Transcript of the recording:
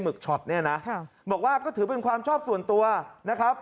เพราะว่าก็ถือเป็นความชอบส่วนตัวนะครับ